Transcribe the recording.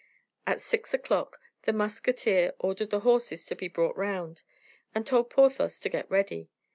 At six o'clock, the musketeer ordered the horses to be brought round, and told Porthos to get ready.